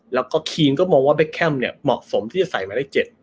แล้วก็คีนก็มองว่าเบคแคมเนี่ยเหมาะสมที่จะใส่หมายเลข๗